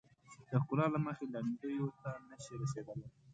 د ښکلا له مخې لنډیو ته نه شي رسیدلای.